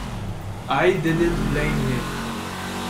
I didn’t blame him.